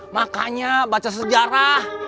makanya baca sejarah